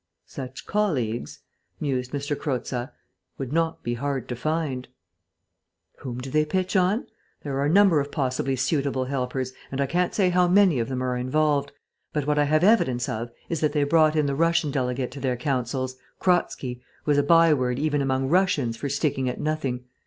"Such colleagues," mused M. Croza, "would not be hard to find." "Whom do they pitch on? There are a number of possibly suitable helpers, and I can't say how many of them are involved. But what I have evidence of is that they brought in the Russian delegate to their councils Kratzky, who is a byword even among Russians for sticking at nothing.